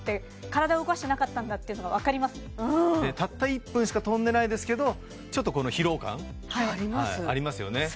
体を動かしてなかったんだっていうのが分かりますねたった１分しか跳んでないですけどちょっと疲労感ありますよね